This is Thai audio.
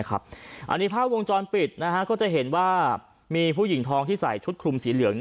อันนี้ภาพวงจรปิดก็จะเห็นว่ามีผู้หญิงทองที่ใส่ชุดคลุมสีเหลือง